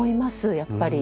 やっぱり。